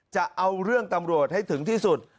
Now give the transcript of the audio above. จะเอาเรื่องตำรวจให้ถึงที่สุด